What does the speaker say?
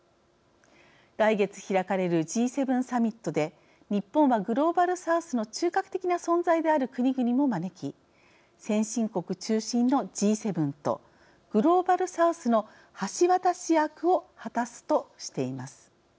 来月開かれるＧ７サミットで日本はグローバルサウスの中核的な存在である国々も招き先進国中心のＧ７とグローバルサウスの橋渡し役を果たすとしています。